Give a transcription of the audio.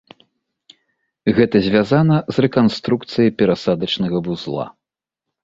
Гэта звязана з рэканструкцыяй перасадачнага вузла.